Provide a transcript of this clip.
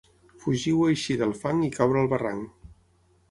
Fugir o eixir del fang i caure al barranc.